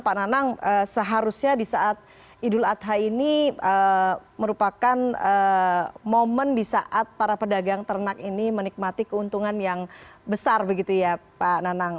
pak nanang seharusnya di saat idul adha ini merupakan momen di saat para pedagang ternak ini menikmati keuntungan yang besar begitu ya pak nanang